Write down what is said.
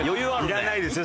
いらないですよ